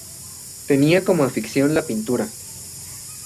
Tenía como afición la pintura.